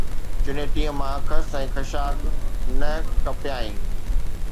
چنيٽيءَ مان خس ۽ خاشاڪ نه ڪپيائين